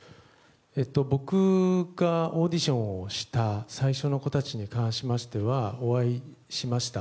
僕がオーディションをした最初の子たちに関しましてはお会いしました。